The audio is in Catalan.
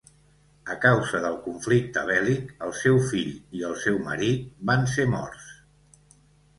A causa del conflicte bèl·lic, el seu fill i el seu marit van ser morts.